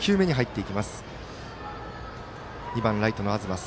２番ライトの東。